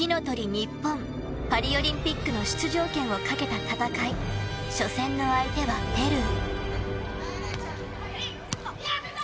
ＮＩＰＰＯＮパリオリンピックの出場権を懸けた戦い初戦の相手はペルー。